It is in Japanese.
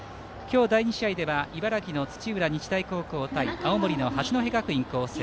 第２試合では茨城の土浦日大高校対青森の八戸学院光星。